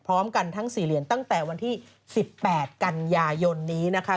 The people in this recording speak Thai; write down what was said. พร้อมกันทั้ง๔เหรียญตั้งแต่วันที่๑๘กันยายนนี้นะคะ